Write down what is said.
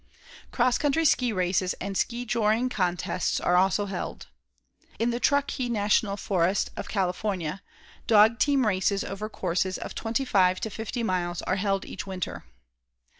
Cross country ski races and ski joring contests are also held. In the Truckee National Forest of California, dog team races over courses of 25 to 50 miles are held each winter.